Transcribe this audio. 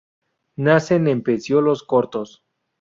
Nacen en pecíolos cortos.